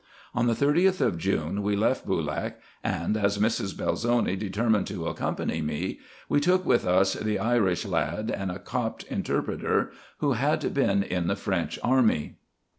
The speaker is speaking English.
On the 30th of June we left Boolak ; and as Mrs. Belzoni determined to accompany me, we took with us the Irish lad, and a Copt interpreter, who had been in the French army.